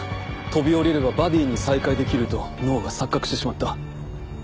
飛び降りればバディに再会できると脳が錯覚してしまった。